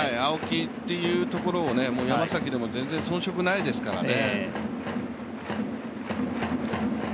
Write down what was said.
青木っていうところ、山崎でも全然、遜色ないですからね。